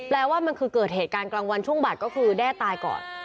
แปลว่ามันคือเกิดเหตุการณ์กลางวันช่วงบ่ายก็คือแด้ตายก่อน